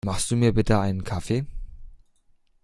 Machst du mir bitte einen Kaffee?